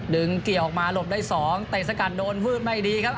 เกี่ยวออกมาหลบได้๒เตะสกัดโดนฟืดไม่ดีครับ